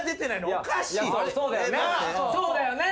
そうだよね。